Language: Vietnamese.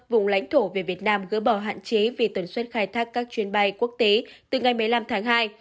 vùng lãnh thổ về việt nam gỡ bỏ hạn chế vì tần suất khai thác các chuyến bay quốc tế từ ngày một mươi năm tháng hai